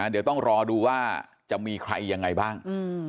เดี๋ยวต้องรอดูว่าจะมีใครยังไงบ้าง